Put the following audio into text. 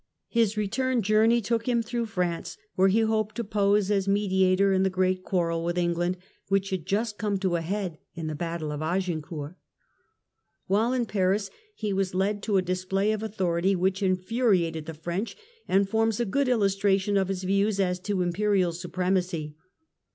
His return journey took him through France, where he hoped to pose as mediator in the great quarrel with England, which had just come to a head in the Battle of Agincourt. Whilst in Paris, he was led to a display of authority which infuriated the French, and forms a good illustration of his views as to Imperial supremacy.